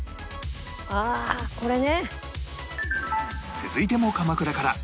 続いても鎌倉から